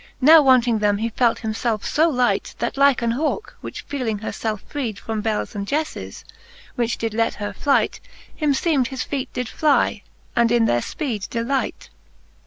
Now wanting them he felt himfelfe fb light, That like an Hauke, which feeling her felfe freed From bels and jefles, which did let her flight, Him feem'd his feet did fly, and in their Ipeed delight, XX.